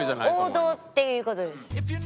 王道っていう事です。